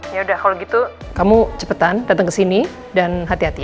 ya udah kalau gitu kamu cepetan datang ke sini dan hati hati